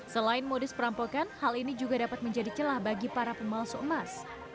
selain modus perampokan hal ini juga dapat menjadi celah bagi para pemalsu emas